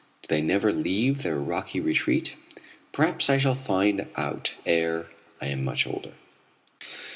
Do they never leave their rocky retreat? Perhaps I shall find out ere I am much older.